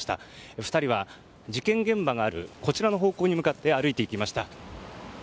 ２人は、事件現場のあるこちらの方向に向かって歩いていきました。